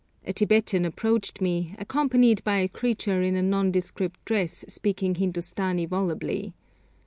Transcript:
A Tibetan approached me, accompanied by a creature in a nondescript dress speaking Hindustani volubly.